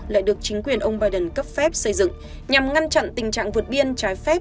lại được chính quyền ông biden cấp phép xây dựng nhằm ngăn chặn tình trạng vượt biên trái phép